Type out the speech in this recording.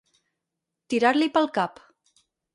Tirar-li pel cap.